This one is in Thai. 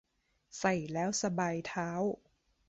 ใส่แล้วสบายเท้า